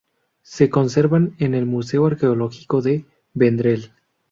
Se conservan en el Museo Arqueológico de Vendrell.